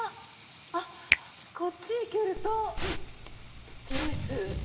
あっこっちに来ると美容室！